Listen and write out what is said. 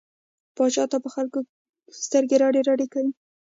پاچا تل په خلکو سترګې رډې رډې کوي.